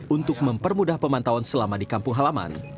untuk mempermudah pemantauan selama di kampung halaman